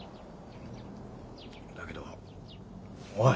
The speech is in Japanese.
だけどおい！